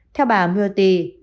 theo bà murthy